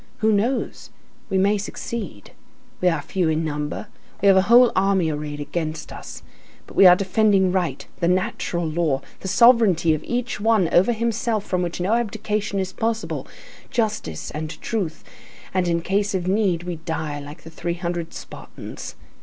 Who knows? We may succeed. We are few in number, we have a whole army arrayed against us; but we are defending right, the natural law, the sovereignty of each one over himself from which no abdication is possible, justice and truth, and in case of need, we die like the three hundred Spartans.